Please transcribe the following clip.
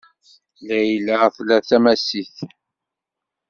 Layla tla tamasit.